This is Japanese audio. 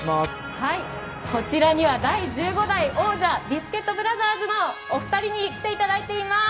こちらには第１５代王者ビスケットブラザーズのお二人に来ていただいています。